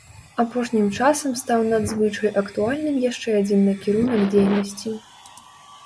Апошнім часам стаў надзвычай актуальным яшчэ адзін накірунак дзейнасці.